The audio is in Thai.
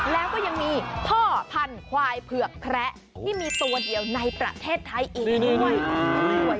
แล้วก็ยังมีพ่อพันธุ์ควายเผือกแคระที่มีตัวเดียวในประเทศไทยอีกด้วย